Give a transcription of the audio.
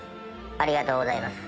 ありがとうございます。